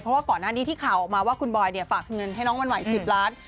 เพราะว่าก่อนหน้านี้ที่ข่าวออกมาว่าคุณบอยฝากเงินให้น้องวันใหม่๑๐ล้าน